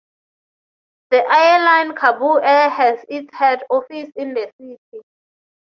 The airline Kabo Air has its head office in the city.